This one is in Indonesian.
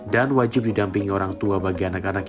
dan wajib didampingi orang tua bagi anak anak yang berumur